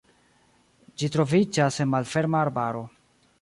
Ĝi troviĝas en malferma arbaro.